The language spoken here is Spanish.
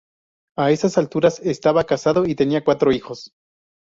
A esas alturas estaba casado y tenía cuatro hijos.